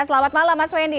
selamat malam mas wedy